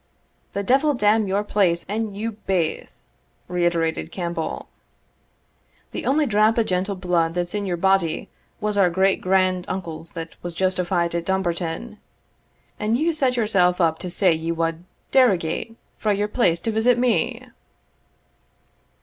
] "The devil damn your place and you baith!" reiterated Campbell. "The only drap o' gentle bluid that's in your body was our great grand uncle's that was justified* at Dumbarton, and you set yourself up to say ye wad derogate frae your place to visit me!